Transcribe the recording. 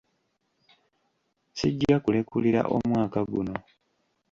Sijja kulekulira omwaka guno.